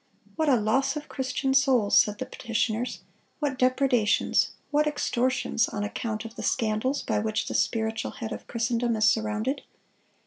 "What a loss of Christian souls," said the petitioners, "what depredations, what extortions, on account of the scandals by which the spiritual head of Christendom is surrounded!